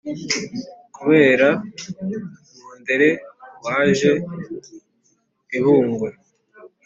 kubera mundere waje i bungwe